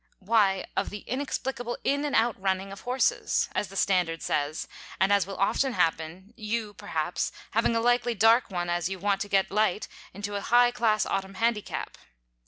Why, of the "inexplicable in and out running of horses," as the "Standard" says, and as will often happen, you, perhaps, having a likely dark one as you want to get light into a high class autumn handicap.